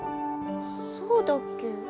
そうだっけ。